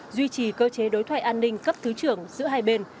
duy trì cơ chế đối thoại an ninh cấp thứ trưởng giữa hai bên